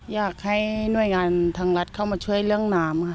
อยากให้หน่วยงานทางรัฐเข้ามาช่วยเรื่องน้ำค่ะ